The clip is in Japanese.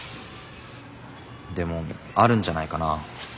でもあるんじゃないかな。